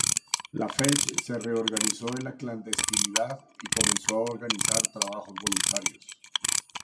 La Fech se reorganizó en la clandestinidad, y comenzó a organizar trabajos voluntarios.